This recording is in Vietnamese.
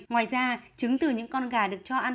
ngoài ra trứng từ những con gà được cho ăn